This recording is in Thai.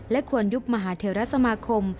และควรยุบมหาเถียวรัฐสมาคม